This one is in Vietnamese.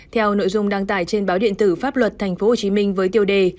theo nội dung đăng tải trên báo điện tử pháp luật tp hcm với tiêu đề